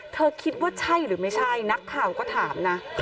คิดว่าใช่หรือไม่ใช่นักข่าวก็ถามนะ